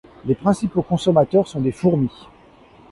Les principaux consommateurs sont des fourmis.